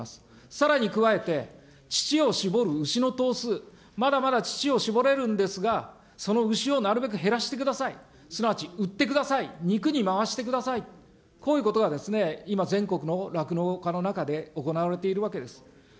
さらに加えて、乳を搾る牛の頭数、まだまだ乳を搾れるんですが、その牛をなるべく減らしてください、すなわち売ってください、肉に回してください、こういうことが今、全国の酪農家の中で行われているわけです。